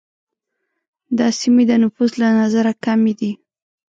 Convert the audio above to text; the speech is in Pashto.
دا سیمې د نفوس له نظره کمي دي.